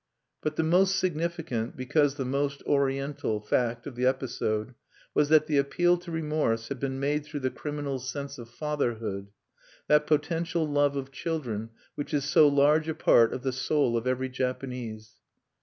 But the most significant, because the most Oriental, fact of the episode was that the appeal to remorse had been made through the criminal's sense of fatherhood, that potential love of children which is so large a part of the soul of every Japanese.